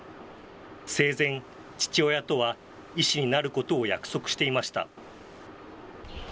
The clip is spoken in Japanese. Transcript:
生前、父親とは医師になることを約束していました。